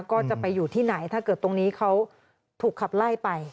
ก็จะไปอยู่ที่ไหนถ้าเกิดตรงนี้เขาถูกขับไล่ไป